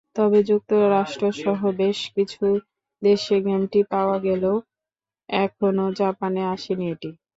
তবে যুক্তরাষ্ট্রসহ বেশ কিছু দেশে গেমটি পাওয়া গেলেও এখনো জাপানে আসেনি এটি।